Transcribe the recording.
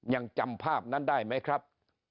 ยังจำภาพนั้นได้ไหมครับ